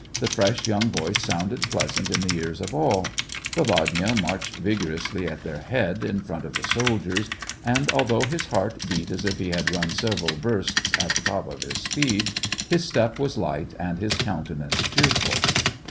The fresh, young voice sounded pleasant in the ears of all. Volodya marched vigorously at their head, in front of the soldiers, and, although his heart beat as if he had run several versts at the top of his 224 SEVASTOPOL IN AUGUST. speed, his step was light and his countenance cheerful.